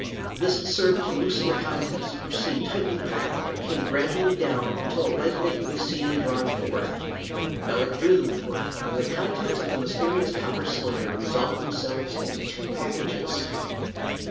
This served to loosen the contents, which seemed tightly packed, but came gradually down until at length they could be seen and drawn forth. Melick drew them forth, and the contents of the mysterious copper cylinder resolved themselves into two packages.